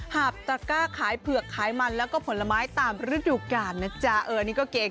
หาบตระก้าขายเผือกขายมันแล้วก็ผลไม้ตามฤดูกาลนะจ๊ะเออนี่ก็เก่ง